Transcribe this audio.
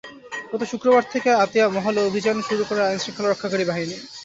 গত শুক্রবার থেকে আতিয়া মহলে অভিযান শুরু করে আইনশৃঙ্খলা রক্ষাকারী বাহিনী।